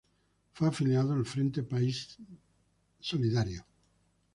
Fue afiliado al Frente País Solidario.